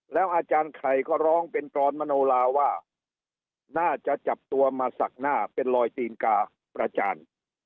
อาจารย์ไข่ก็ร้องเป็นกรอนมโนลาว่าน่าจะจับตัวมาสักหน้าเป็นรอยตีนกาประจาน